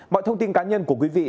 mọi thông tin cá nhân của quý vị